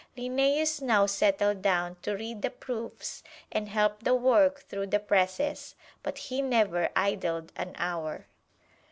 Linnæus now settled down to read the proofs and help the work through the presses. But he never idled an hour.